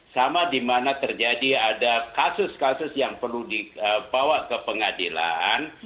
sama di mana terjadi ada kasus kasus yang perlu dibawa ke pengadilan